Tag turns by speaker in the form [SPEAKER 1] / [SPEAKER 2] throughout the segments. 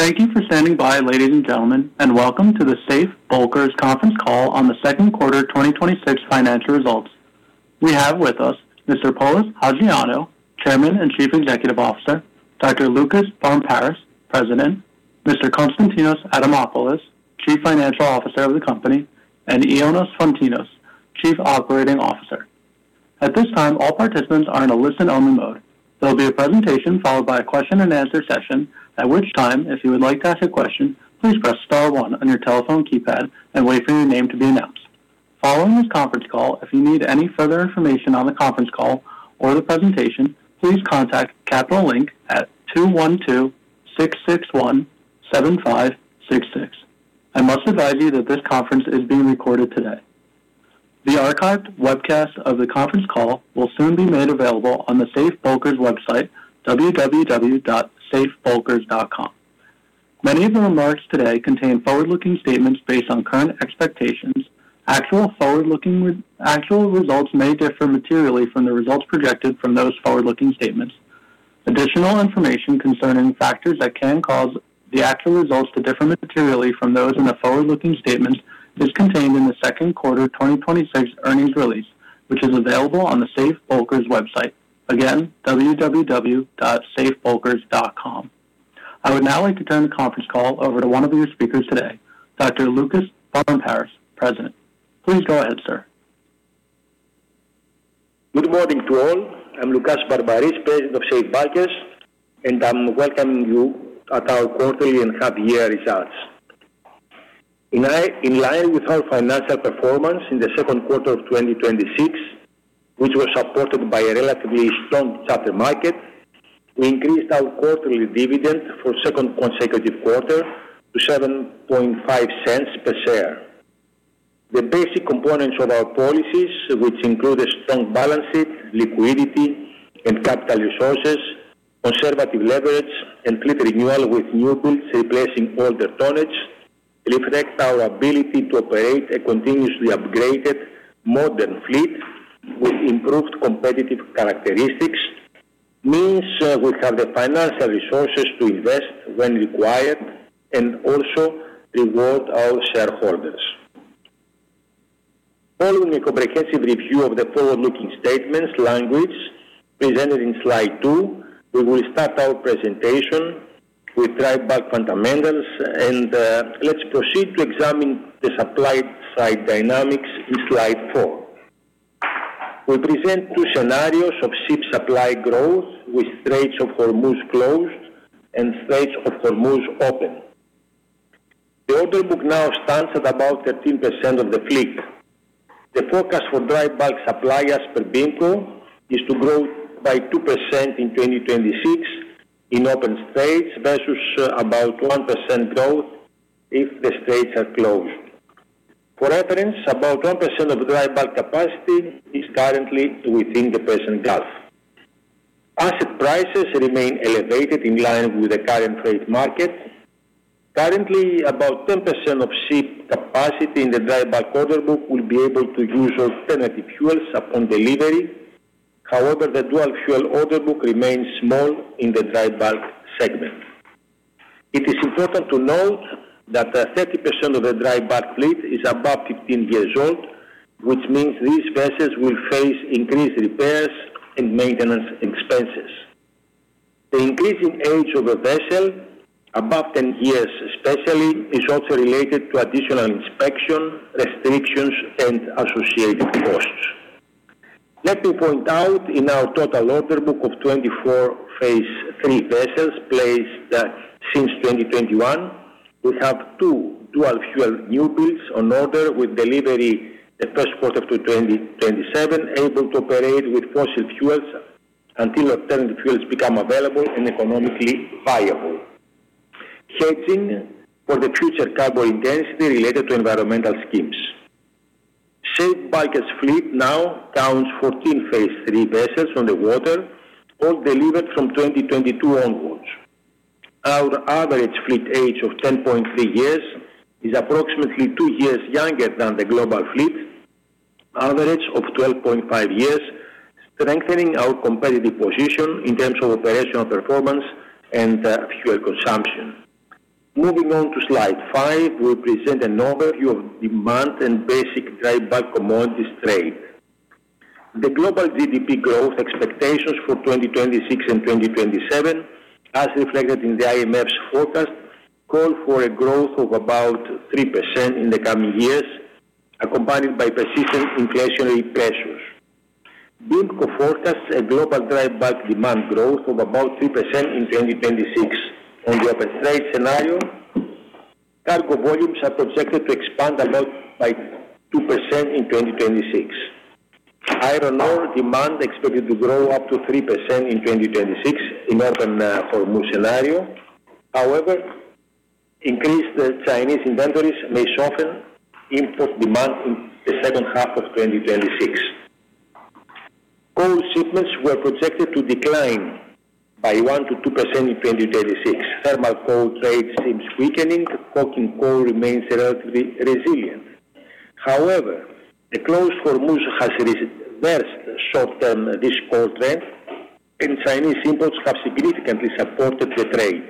[SPEAKER 1] Thank you for standing by, ladies and gentlemen, and welcome to the Safe Bulkers conference call on the second quarter 2026 financial results. We have with us Mr. Polys Hajioannou, Chairman and Chief Executive Officer, Dr. Loukas Barmparis, President, Mr. Konstantinos Adamopoulos, Chief Financial Officer of the company, and Ioannis Foteinos, Chief Operating Officer. At this time, all participants are in a listen-only mode. There will be a presentation followed by a question and answer session, at which time, if you would like to ask a question, please press star one on your telephone keypad and wait for your name to be announced. Following this conference call, if you need any further information on the conference call or the presentation, please contact Capital Link at 212-661-7566. I must advise you that this conference is being recorded today. The archived webcast of the conference call will soon be made available on the Safe Bulkers website, www.safebulkers.com. Many of the remarks today contain forward-looking statements based on current expectations. Actual results may differ materially from the results projected from those forward-looking statements. Additional information concerning factors that can cause the actual results to differ materially from those in the forward-looking statements is contained in the second quarter 2026 earnings release, which is available on the Safe Bulkers website. Again, www.safebulkers.com. I would now like to turn the conference call over to one of your speakers today, Dr. Loukas Barmparis, President. Please go ahead, sir.
[SPEAKER 2] Good morning to all. I'm Loukas Barmparis, President of Safe Bulkers, and I'm welcoming you at our quarterly and half-year results. In line with our financial performance in the second quarter of 2026, which was supported by a relatively strong charter market, we increased our quarterly dividend for a second consecutive quarter to $0.075 per share. The basic components of our policies, which include a strong balance sheet, liquidity and capital resources, conservative leverage and fleet renewal with new builds replacing older tonnage, reflect our ability to operate a continuously upgraded modern fleet with improved competitive characteristics. This means we have the financial resources to invest when required and also reward our shareholders. Following a comprehensive review of the forward-looking statements language presented in slide two, we will start our presentation with dry bulk fundamentals. Let's proceed to examine the supply side dynamics in slide four. We present two scenarios of ship supply growth with Straits of Hormuz closed and Straits of Hormuz open. The order book now stands at about 13% of the fleet. The forecast for dry bulk supply as per BIMCO is to grow by 2% in 2026 in open states versus about 1% growth if the states are closed. For reference, about 1% of dry bulk capacity is currently within the Persian Gulf. Asset prices remain elevated in line with the current trade market. Currently, about 10% of ship capacity in the dry bulk order book will be able to use alternative fuels upon delivery. The dual-fuel order book remains small in the dry bulk segment. It is important to note that 30% of the dry bulk fleet is above 15 years old, which means these vessels will face increased repairs and maintenance expenses. The increasing age of a vessel, above 10 years especially, is also related to additional inspection, restrictions, and associated costs. Let me point out in our total order book of 24 Phase III vessels placed since 2021, we have two dual-fuel newbuilds on order with delivery the first quarter of 2027, able to operate with fossil fuels until alternative fuels become available and economically viable. Hedging for the future cargo intensity related to environmental schemes. Safe Bulkers fleet now counts 14 Phase III vessels on the water, all delivered from 2022 onwards. Our average fleet age of 10.3 years is approximately two years younger than the global fleet average of 12.5 years, strengthening our competitive position in terms of operational performance and fuel consumption. Moving on to slide five, we present an overview of demand and basic dry bulk commodities trade. The global GDP growth expectations for 2026 and 2027, as reflected in the IMF's forecast, call for a growth of about 3% in the coming years, accompanied by persistent inflationary pressures. BIMCO forecasts a global dry bulk demand growth of about 3% in 2026. On the open trade scenario, cargo volumes are projected to expand about by 2% in 2026. Iron ore demand expected to grow up to 3% in 2026 in open Hormuz scenario. However, increased Chinese inventories may soften import demand in the second half of 2026. Coal shipments were projected to decline by 1%-2% in 2026. Thermal coal trade seems weakening. Coking coal remains relatively resilient. However, the closed Hormuz has reversed short-term difficult trends, and Chinese imports have significantly supported the trade.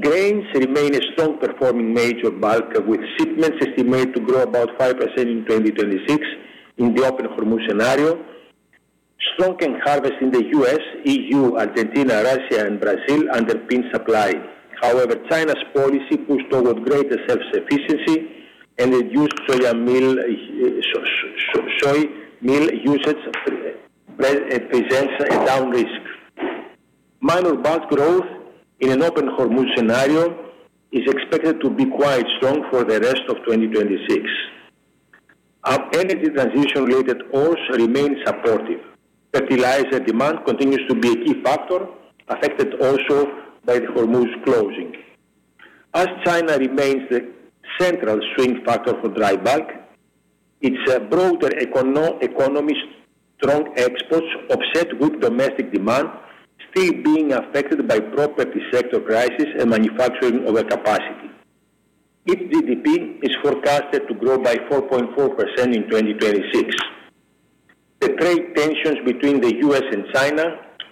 [SPEAKER 2] Grains remain a strong-performing major bulk, with shipments estimated to grow about 5% in 2026 in the open Hormuz scenario. Stronger harvests in the U.S., EU, Argentina, Russia, and Brazil underpin supply. However, China's policy pushed toward greater self-sufficiency and reduced soy meal usage presents a down risk. Minor bulk growth in an open Hormuz scenario is expected to be quite strong for the rest of 2026. Our energy transition-related ores remain supportive. Fertilizer demand continues to be a key factor, affected also by the Hormuz closing. As China remains the central swing factor for dry bulk, its broader economy's strong exports offset weak domestic demand, still being affected by property sector crisis and manufacturing overcapacity. Its GDP is forecasted to grow by 4.4% in 2026. The trade tensions between the U.S. and China,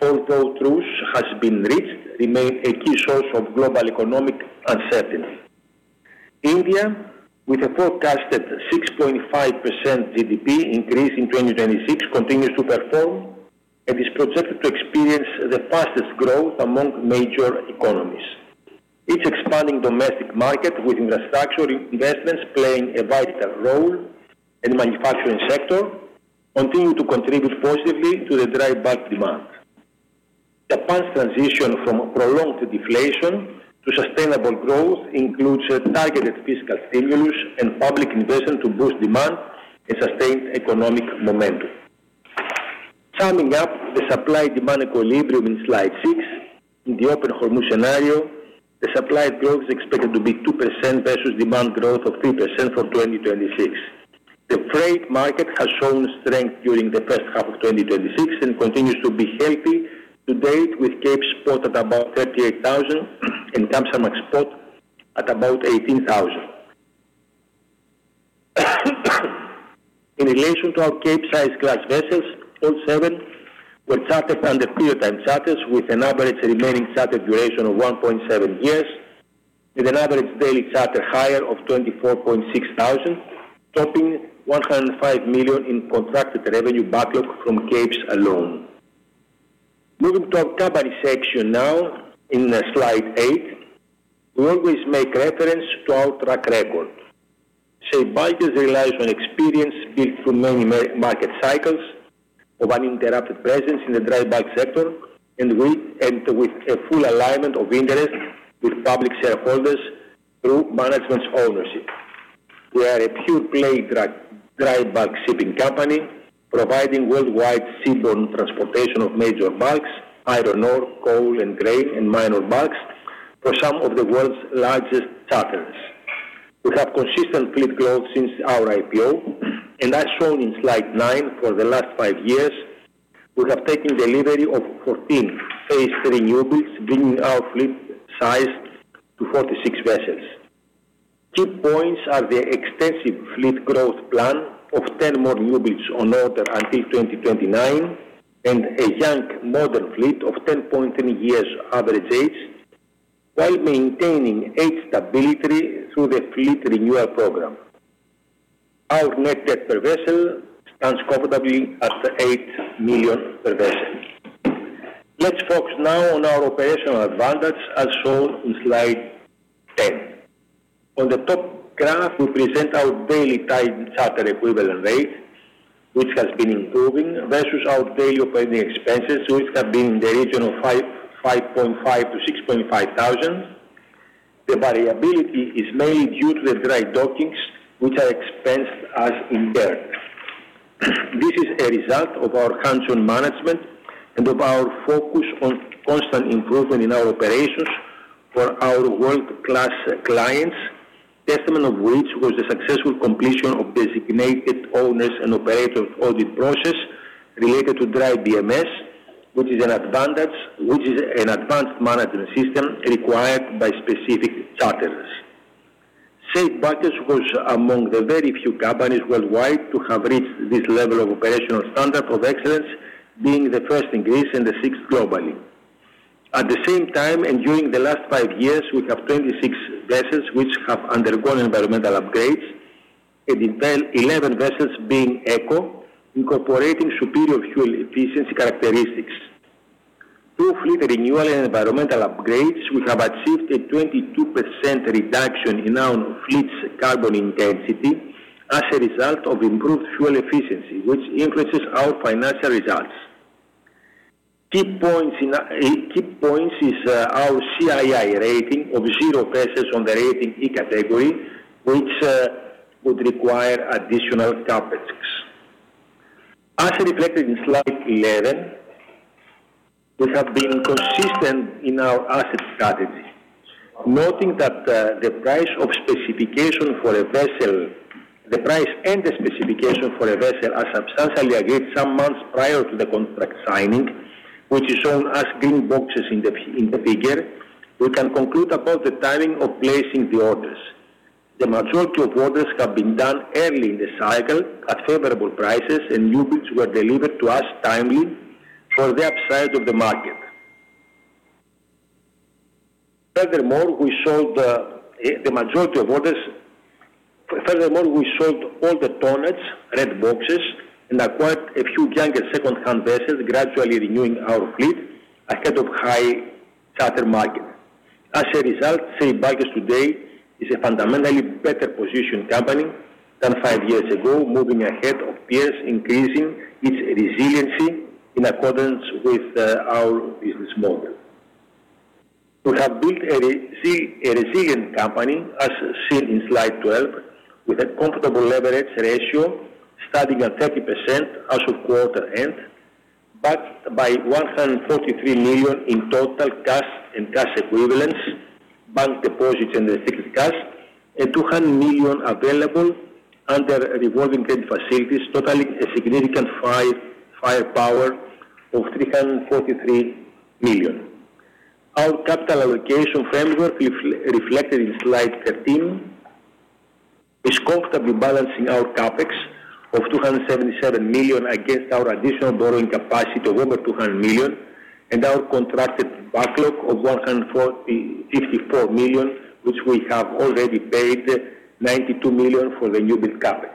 [SPEAKER 2] although truce has been reached, remain a key source of global economic uncertainty. India, with a forecasted 6.5% GDP increase in 2026, continues to perform and is projected to experience the fastest growth among major economies. Its expanding domestic market, with infrastructure investments playing a vital role in the manufacturing sector, continue to contribute positively to the dry bulk demand. Japan's transition from prolonged deflation to sustainable growth includes a targeted fiscal stimulus and public investment to boost demand and sustain economic momentum. Summing up the supply-demand equilibrium in slide six, in the open Hormuz scenario, the supply growth is expected to be 2% versus demand growth of 3% for 2026. The freight market has shown strength during the first half of 2026 and continues to be healthy to date, with Cape spot at about $38,000 and Kamsarmax spot at about $18,000. In relation to our Capesize class vessels, all seven were chartered under period time charters, with an average remaining charter duration of 1.7 years with an average daily charter hire of $24.6000, topping $105 million in contracted revenue backlog from Capes alone. Moving to our company section now in slide eight, we always make reference to our track record. Safe Bulkers relies on experience built through many market cycles of uninterrupted presence in the dry bulk sector, with a full alignment of interest with public shareholders through management's ownership. We are a pure play dry bulk shipping company providing worldwide seaborne transportation of major bulks, iron ore, coal, and grain, and minor bulks for some of the world's largest charters. We have consistent fleet growth since our IPO, and as shown in slide nine, for the last five years, we have taken delivery of 14 Phase III newbuilds, bringing our fleet size to 46 vessels. Key points are the extensive fleet growth plan of 10 more newbuilds on order until 2029 and a young, modern fleet of 10.3 years average age while maintaining age stability through the fleet renewal program. Our net debt per vessel stands comfortably at $8 million per vessel. Let's focus now on our operational advantage, as shown in slide 10. On the top graph, we present our daily time charter equivalent rate, which has been improving versus our daily operating expenses, which have been in the region of $5.5 thousand-$6.5 thousand. The variability is mainly due to the dry dockings, which are expensed as incurred. This is a result of our hands-on management and of our focus on constant improvement in our operations for our world-class clients, testament of which was the successful completion of designated owners and operators audit process related to DryBMS, which is an advanced monitoring system required by specific charters. Safe Bulkers was among the very few companies worldwide to have reached this level of operational standard of excellence, being the first in Greece and the sixth globally. At the same time, during the last five years, we have 26 vessels which have undergone environmental upgrades and 11 vessels being Eco, incorporating superior fuel efficiency characteristics. Through fleet renewal and environmental upgrades, we have achieved a 22% reduction in our fleet's carbon intensity as a result of improved fuel efficiency, which influences our financial results. Key points is our CII rating of zero vessels on the rating E category, which would require additional CapEx. As reflected in slide 11, we have been consistent in our asset strategy. Noting that the price and the specification for a vessel are substantially agreed some months prior to the contract signing. Which is shown as green boxes in the figure, we can conclude about the timing of placing the orders. The majority of orders have been done early in the cycle at favorable prices. Newbuilds were delivered to us timely for the upside of the market. Furthermore, we sold all the tonnages, red boxes, and acquired a few younger second-hand vessels, gradually renewing our fleet ahead of high charter market. As a result, Safe Bulkers today is a fundamentally better position company than five years ago, moving ahead of peers, increasing its resiliency in accordance with our business model. We have built a resilient company, as seen in slide 12, with a comfortable leverage ratio standing at 30% as of quarter end, backed by $143 million in total cash and cash equivalents, bank deposits, and restricted cash, and $200 million available under revolving credit facilities totaling a significant firepower of $343 million. Our capital allocation framework, reflected in Slide 13, is comfortably balancing our CapEx of $277 million against our additional borrowing capacity of over $200 million and our contracted backlog of $154 million, which we have already paid $92 million for the newbuild CapEx.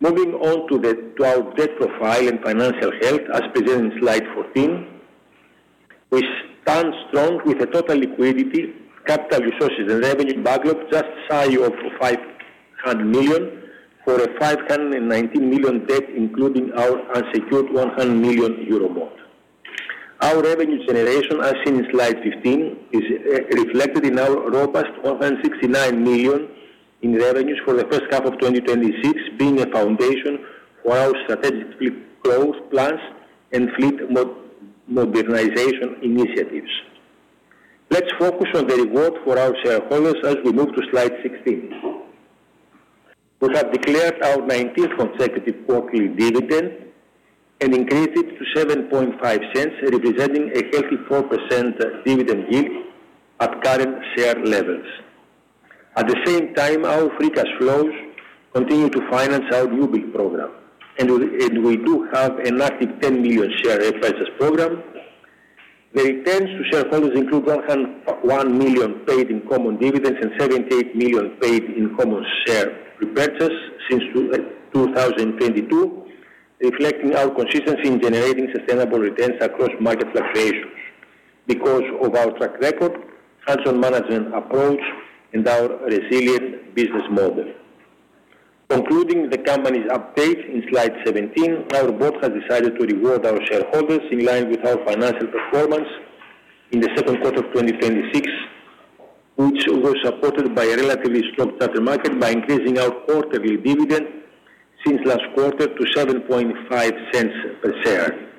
[SPEAKER 2] Moving on to our debt profile and financial health as presented in Slide 14, we stand strong with a total liquidity, capital resources, and revenue backlog just shy of $500 million for a $519 million debt, including our unsecured 100 million euro loan. Our revenue generation, as seen in Slide 15, is reflected in our robust $169 million in revenues for the first half of 2026, being a foundation for our strategic fleet growth plans and fleet modernization initiatives. Let's focus on the reward for our shareholders as we move to Slide 16. We have declared our 19th consecutive quarterly dividend and increased it to $0.075, representing a healthy 4% dividend yield at current share levels. We do have an active 10 million share repurchase program. The returns to shareholders include $101 million paid in common dividends and $78 million paid in common share repurchases since 2022, reflecting our consistency in generating sustainable returns across market fluctuations because of our track record, financial management approach, and our resilient business model. Concluding the company's update in Slide 17, our board has decided to reward our shareholders in line with our financial performance in the second quarter of 2026, which was supported by a relatively strong charter market by increasing our quarterly dividend since last quarter to $0.075 per share.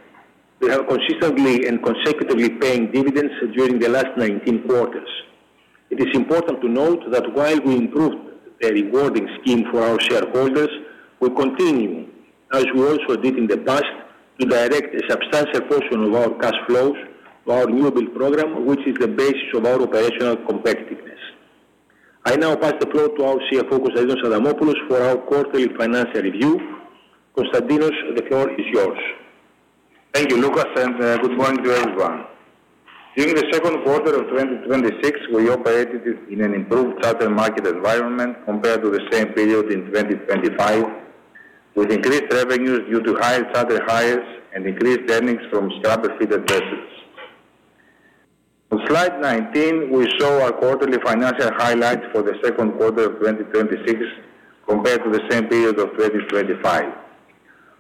[SPEAKER 2] We are consistently and consecutively paying dividends during the last 19 quarters. It is important to note that while we improved the rewarding scheme for our shareholders, we continue, as we also did in the past, to direct a substantial portion of our cash flows to our newbuild program, which is the basis of our operational competitiveness. I now pass the floor to our CFO, Konstantinos Adamopoulos, for our quarterly financial review. Konstantinos, the floor is yours.
[SPEAKER 3] Thank you, Loukas. Good morning to everyone. During the second quarter of 2026, we operated in an improved charter market environment compared to the same period in 2025, with increased revenues due to higher charter hires and increased earnings from strong fitted vessels. On Slide 19, we show our quarterly financial highlights for the second quarter of 2026 compared to the same period of 2025.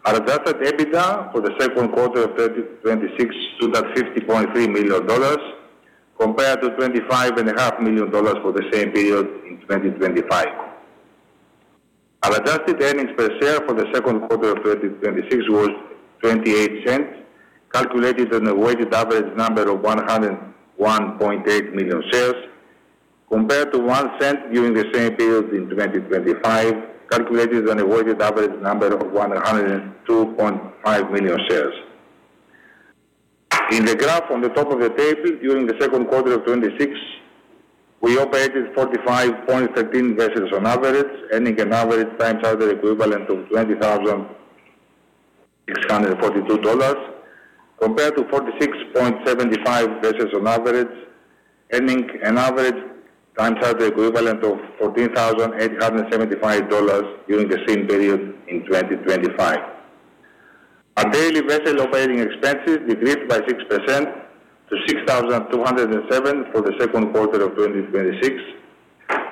[SPEAKER 3] Our adjusted EBITDA for the second quarter of 2026 stood at $50.3 million compared to $25.5 million for the same period in 2025. Our adjusted earnings per share for the second quarter of 2026 was $0.28, calculated on a weighted average number of 101.8 million shares, compared to $0.01 during the same period in 2025, calculated on a weighted average number of 102.5 million shares. In the graph on the top of the table, during the second quarter of 2026, we operated 45.13 vessels on average, earning an average time charter equivalent of $20,642 compared to 46.75 vessels on average, earning an average time charter equivalent of $14,875 during the same period in 2025. Our daily vessel operating expenses decreased by 6% to $6,207 for the second quarter of 2026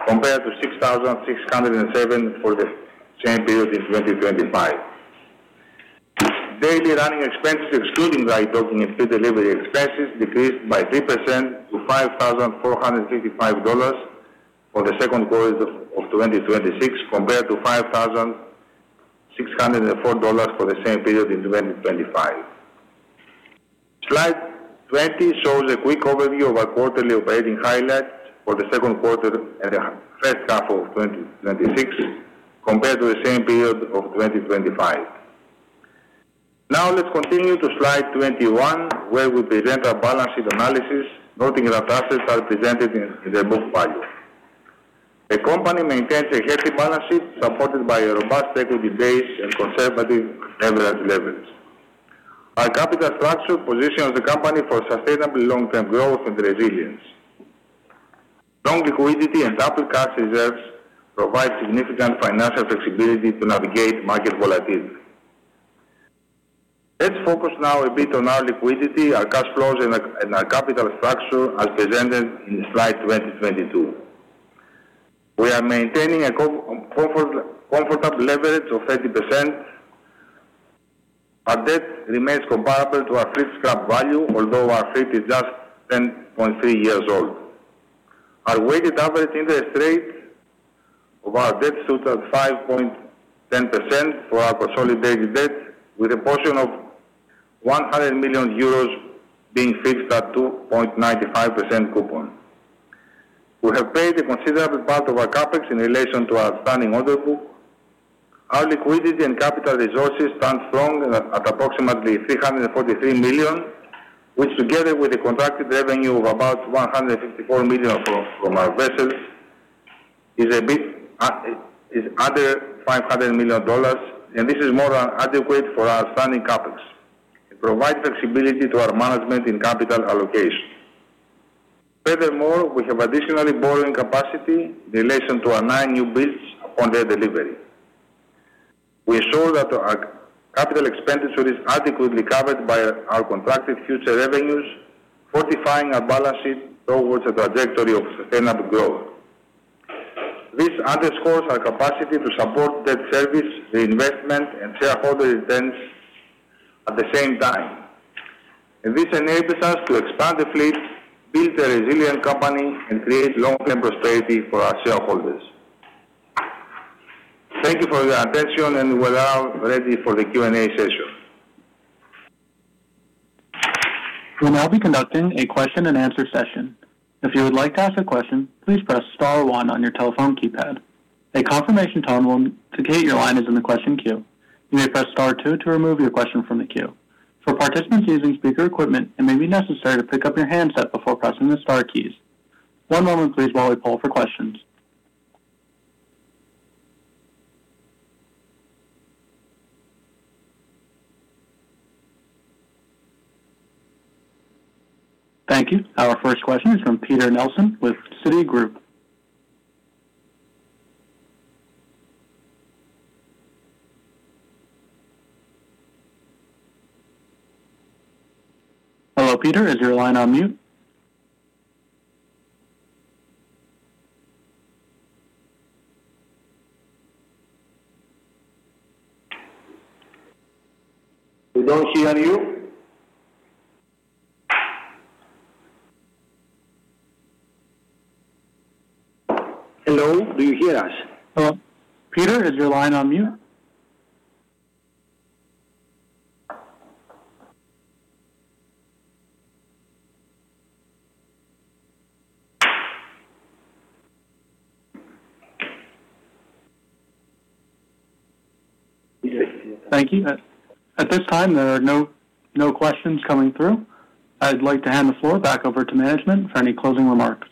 [SPEAKER 3] compared to $6,607 for the same period in 2025. Daily running expenses, excluding dry docking and crew delivery expenses, decreased by 3% to $5,455 for the second quarter of 2026, compared to $5,604 for the same period in 2025. Slide 20 shows a quick overview of our quarterly operating highlights for the second quarter and the first half of 2026. Compared to the same period of 2025. Let's continue to slide 21, where we present our balance sheet analysis, noting that assets are presented in their book value. The company maintains a healthy balance sheet supported by a robust equity base and conservative leverage levels. Our capital structure positions the company for sustainable long-term growth and resilience. Strong liquidity and ample cash reserves provide significant financial flexibility to navigate market volatility. Let's focus now a bit on our liquidity, our cash flows, and our capital structure as presented on slide 22. We are maintaining a comfortable leverage of 30%. Our debt remains comparable to our fleet scrap value, although our fleet is just 10.3 years old. Our weighted average interest rate of our debt stood at 5.10% for our consolidated debt, with a portion of 100 million euros being fixed at 2.95% coupon. We have paid a considerable part of our CapEx in relation to our standing order book. Our liquidity and capital resources stand strong at approximately $343 million, which together with the contracted revenue of about $154 million from our vessels, is under $500 million, and this is more than adequate for our standing CapEx. It provides flexibility to our management in capital allocation. Furthermore, we have additional borrowing capacity in relation to our nine new builds upon their delivery. We are sure that our capital expenditure is adequately covered by our contracted future revenues, fortifying our balance sheet towards a trajectory of sustainable growth. This underscores our capacity to support debt service, reinvestment, and shareholder returns at the same time. This enables us to expand the fleet, build a resilient company, and create long-term prosperity for our shareholders. Thank you for your attention. We are ready for the Q&A session.
[SPEAKER 1] We'll now be conducting a question-and-answer session. If you would like to ask a question, please press star one on your telephone keypad. A confirmation tone will indicate your line is in the question queue. You may press star two to remove your question from the queue. For participants using speaker equipment, it may be necessary to pick up your handset before pressing the star keys. One moment, please, while we poll for questions. Thank you. Our first question is from Peter Nelson with Citigroup. Hello, Peter. Is your line on mute?
[SPEAKER 2] We don't hear you. Hello, do you hear us?
[SPEAKER 1] Hello, Peter, is your line on mute?
[SPEAKER 2] We don't hear.
[SPEAKER 1] Thank you. At this time, there are no questions coming through. I'd like to hand the floor back over to management for any closing remarks.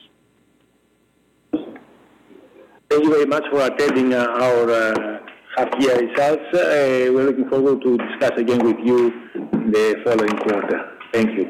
[SPEAKER 2] Thank you very much for attending our half-year results. We're looking forward to discuss again with you the following quarter. Thank you.